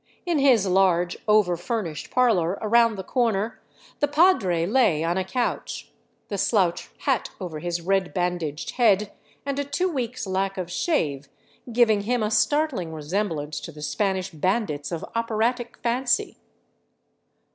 In his large, over furnished parlor around the corner the padre lay on a couch, the slouch hat over his red bandaged head and a two weeks' lack of shave giving him a startling resemblance to the Spanish bandits of operatic fancy.